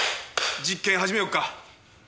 実験始めようか。